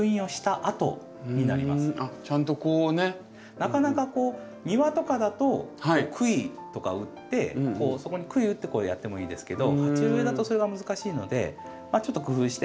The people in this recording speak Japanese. なかなかこう庭とかだとクイとか打ってそこにクイ打ってやってもいいですけど鉢植えだとそれが難しいのでちょっと工夫して。